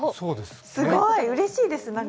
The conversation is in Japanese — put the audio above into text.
すごーい、うれしいです。